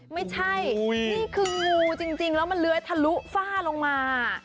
ไม่ใช่นี่คืองูจริงแล้วมันเลื้อยทะลุฝ้าลงมา